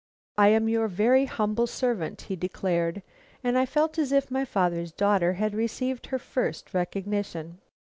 "I am your very humble servant," he declared; and I felt as if my father's daughter had received her first recognition.